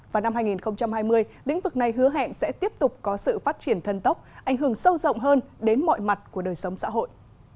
và năm hai nghìn hai mươi lĩnh vực này hứa hẹn sẽ tiếp tục có sự phát triển thân tốc ảnh hưởng sâu rộng hơn đến mọi mặt của đời sống xã hội